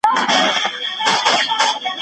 هغه مېړانه چي د حق له پاره وي تل ستايل کيږي.